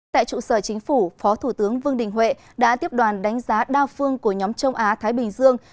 tại trụ sở chính phủ phó thủ tướng vương đình huệ đã tiếp đoàn đánh giá đa phương của nhóm châu á thái bình dương